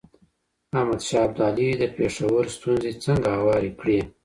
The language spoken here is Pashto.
احمد شاه ابدالي د پېښور ستونزي څنګه هوارې کړې؟